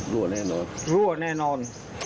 รั่วแน่นอนรั่วแน่นอน